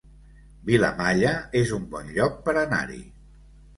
Vilamalla es un bon lloc per anar-hi